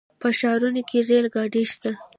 په ښارونو کې ریل ګاډي شته.